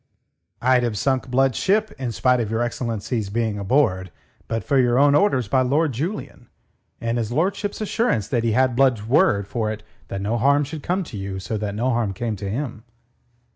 "I'd have sunk Blood's ship in spite of your excellency's being aboard but for your own orders by Lord Julian, and his lordship's assurance that he had Blood's word for it that no harm should come to you so that no harm came to him.